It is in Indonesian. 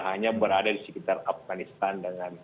hanya berada di sekitar afghanistan